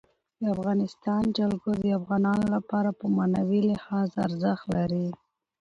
د افغانستان جلکو د افغانانو لپاره په معنوي لحاظ ارزښت لري.